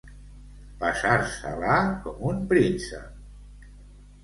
Passar-se-la com un príncep.